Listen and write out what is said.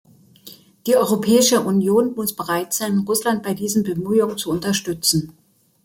Die Europäische Union muss bereit sein, Russland bei diesen Bemühungen zu unterstützen.